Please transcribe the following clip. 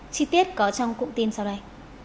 chi tiết có trong cụm tin sau đây